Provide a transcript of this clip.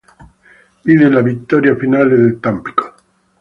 Vide la vittoria finale del Tampico.